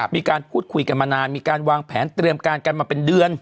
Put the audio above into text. มีการพูดคุยกันมานานมีการวางแผนเตรียมการกันมาเป็นเดือน